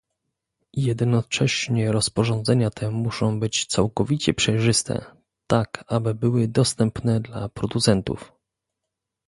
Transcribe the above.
Jednocześnie rozporządzenia te muszą być całkowicie przejrzyste, tak aby były dostępne dla producentów